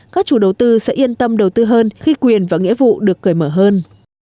các chủ đầu tư sẽ yên tâm đầu tư hơn khi quyền và nghĩa vụ được cởi mở hơn